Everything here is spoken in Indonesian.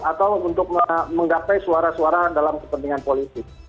atau untuk menggapai suara suara dalam kepentingan politik